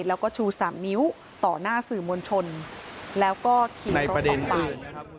แล้วก็ชูสามนิ้วต่อหน้าสื่อมวลชนนี่ประเด็นอื่น